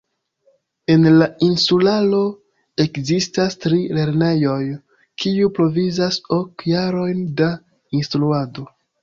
En la insularo ekzistas tri lernejoj, kiuj provizas ok jarojn da instruado.